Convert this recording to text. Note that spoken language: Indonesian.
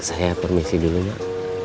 saya permisi dulu mak